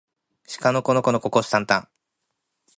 しかのこのこのここしたんたん